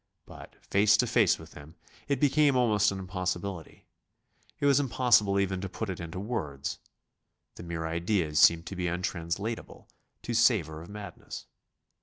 But, face to face with him, it became almost an impossibility. It was impossible even to put it into words. The mere ideas seemed to be untranslatable, to savour of madness.